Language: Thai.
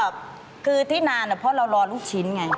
ก็คือที่นานเพราะเรารอลูกชิ้นไง